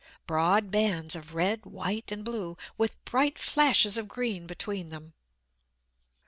Broad bands of red, white, and blue, with bright flashes of green between them!